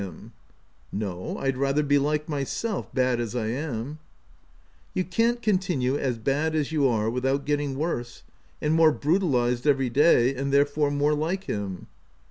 M No, I'd rather be like myself, bad as I am/' " You can't continue as bad as you are with out getting worse — and more brutalized every day — and therefore more like him.